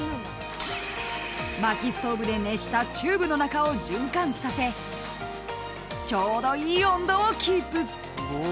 ［まきストーブで熱したチューブの中を循環させちょうどいい温度をキープ］